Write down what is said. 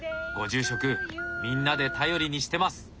ご住職みんなで頼りにしてます！